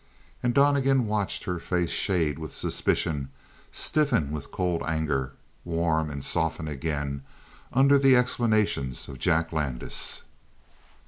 And Donnegan watched her face shade with suspicion, stiffen with cold anger, warm and soften again under the explanations of Jack Landis.